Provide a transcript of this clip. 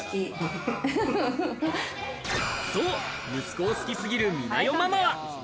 そう、息子を好き過ぎる美奈代ママは。